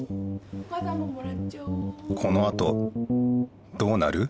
このあとどうなる？